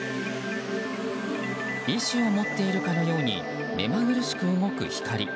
意志を持っているかのようにめまぐるしく動く光。